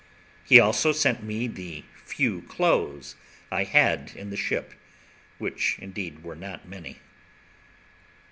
He also sent me the few clothes I had in the ship, which indeed were not many.